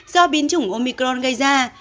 do biến chủng omicron gây ra